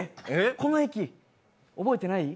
この駅覚えてない？